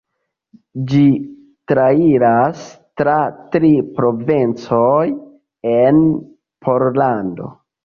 Ĝi trairas tra tri provincoj en Pollando.